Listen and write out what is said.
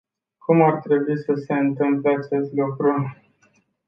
Cum ar trebui să se întâmple acest lucru?